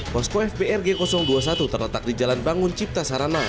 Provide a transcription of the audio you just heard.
posko fbrg dua puluh satu terletak di jalan bangun cipta sarana